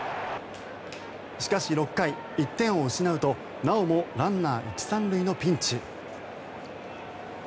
しかし、６回１点を失うとなおもランナー１・３塁のピンチ。